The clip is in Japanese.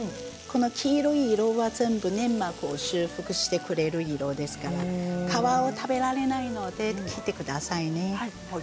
黄色い色は全部粘膜を修復してくれる色ですから皮は食べられないので切ってくださいね。